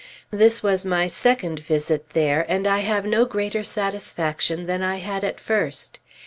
This was my second visit there, and I have no greater satisfaction than I had at first.